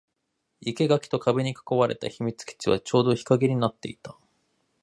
生垣と壁に囲われた秘密基地はちょうど日陰になっていた